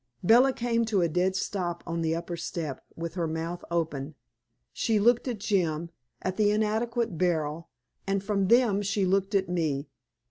Bella came to a dead stop on the upper step, with her mouth open. She looked at Jim, at the inadequate barrel, and from them she looked at me.